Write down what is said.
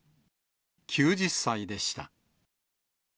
９０歳でした。